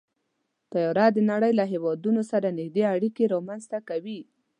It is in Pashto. طیاره د نړۍ له هېوادونو سره نږدې اړیکې رامنځته کوي.